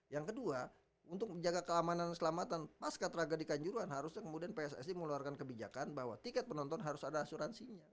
yang kedua untuk menjaga keamanan dan selamatan pas keteragak di kanjuruan harusnya kemudian pssi mengeluarkan kebijakan bahwa tiket penonton harus ada asuransinya